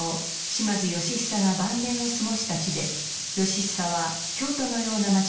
島津義久が晩年を過ごした地で義久は京都のような町づくりを目指しました。